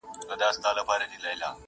زه به څرنگه دوږخ ته ور روان سم،